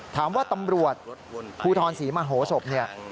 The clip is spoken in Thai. ถามว่าตำรวจภูทรศรีมหโหสบ